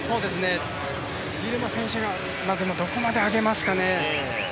ギルマ選手がどこまで上げますかね。